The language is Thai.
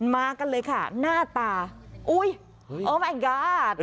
มากันเลยค่ะหน้าตาโอ้ยโอ้มายก็อด